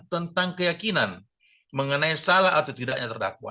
tentang keyakinan mengenai salah atau tidaknya terdakwa